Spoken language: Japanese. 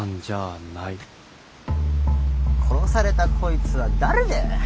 殺されたこいつは誰でい。